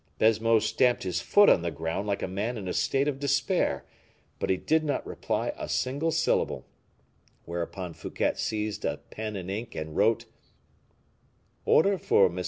_" Baisemeaux stamped his foot on the ground like a man in a state of despair, but he did not reply a single syllable; whereupon Fouquet seized a pen and ink, and wrote: "Order for M.